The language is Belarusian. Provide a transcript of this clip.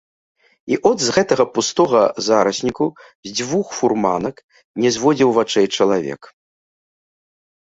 І от з гэтага густога зарасніку з дзвюх фурманак не зводзіў вачэй чалавек.